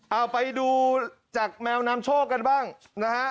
เอาไปดูจากแมวนำโชคกันบ้างนะฮะ